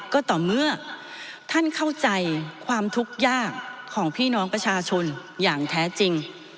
ก็ต่อเมื่อท่านเข้าใจความทุกข์ยากของพี่น้องประชาชนอย่างแท้จริง